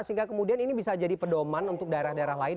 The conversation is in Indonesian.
sehingga kemudian ini bisa jadi pedoman untuk daerah daerah lain